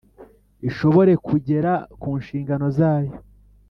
Ishobore kugera ku nshingano zayo